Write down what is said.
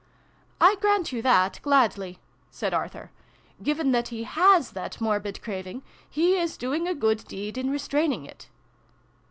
" I grant you that, gladly," said Arthur. "Given that he kas that morbid craving, he is doing a good deed in restraining it."